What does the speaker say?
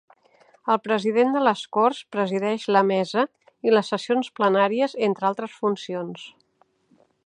El president de les Corts presideix la Mesa i les sessions plenàries entre altres funcions.